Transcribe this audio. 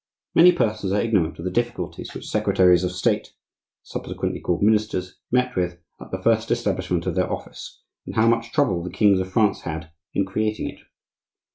Many persons are ignorant of the difficulties which secretaries of State (subsequently called ministers) met with at the first establishment of their office, and how much trouble the kings of France had in creating it.